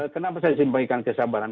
kenapa saya simpan kesabaran